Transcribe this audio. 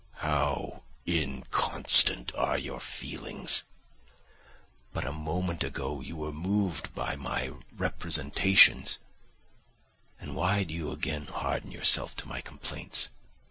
"How inconstant are your feelings! But a moment ago you were moved by my representations, and why do you again harden yourself to my complaints?